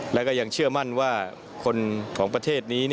และก็ยังเชื่อมั่นว่าคนของประเทศนี้